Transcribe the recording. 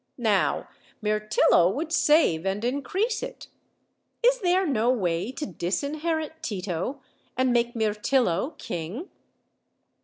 Now Mirtillo would save and increase it. Is there no way to disinherit Tito, and make Mirtillo king?"